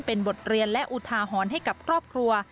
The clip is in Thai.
เป็นบทเรียนและอุทาหรณ์ให้กับครอบครัว